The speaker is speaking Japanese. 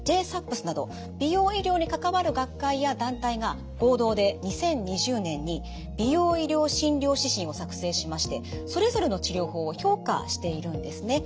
ＪＳＡＰＳなど美容医療に関わる学会や団体が合同で２０２０年に美容医療診療指針を作成しましてそれぞれの治療法を評価しているんですね。